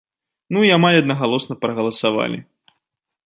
Ну і амаль аднагалосна прагаласавалі.